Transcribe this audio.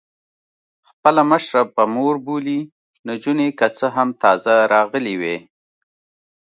خپله مشره په مور بولي، نجونې که څه هم تازه راغلي وې.